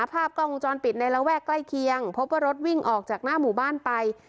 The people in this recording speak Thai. ภาพกล้องวงจรปิดในระแวกใกล้เคียงพบว่ารถวิ่งออกจากหน้าหมู่บ้านไป